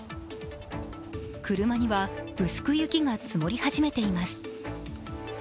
車には薄く雪が積もり始めています。